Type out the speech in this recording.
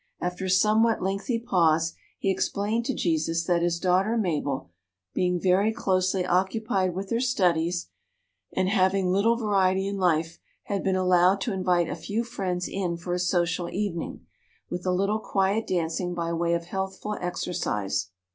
After a somewhat lengthy pause, he explained to Jesus that his daughter Mabel, being very closely occupied with her studies, and having little variety in life, had been allowed to invite a few friends in for a social evening, with a little quiet dancing by way of healthful exercise.